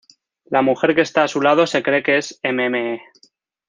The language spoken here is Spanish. La mujer que está a su lado se cree que es Mme.